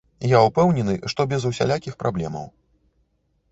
Я ўпэўнены, што без усялякіх праблемаў.